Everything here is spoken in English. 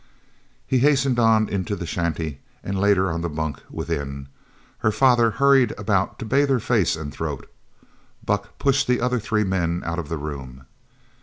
He hastened on into the shanty and laid her on the bunk within. Her father hurried about to bathe her face and throat. Buck pushed the other three men out of the room.